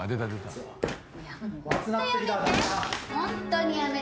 ホントやめて。